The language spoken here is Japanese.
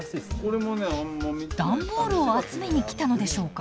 段ボールを集めに来たのでしょうか？